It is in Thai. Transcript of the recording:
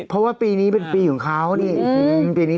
เพราะว่าปีนี้เป็นปีของเขาดิ